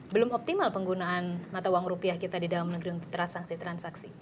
belum optimal penggunaan mata uang rupiah kita di dalam negeri untuk transaksi transaksi